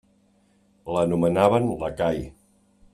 L'anomenaven lacai.